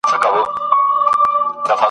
او پر مځکه دي وجود زیر و زبر سي !.